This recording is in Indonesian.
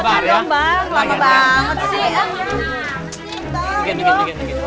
bang yang datang banyak